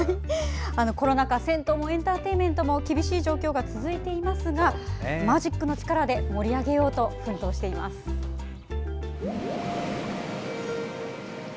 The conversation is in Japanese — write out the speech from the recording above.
コロナ禍銭湯もエンターテインメントも厳しい状況が続いていますがマジックの力で盛り上げようと奮闘している方がいます。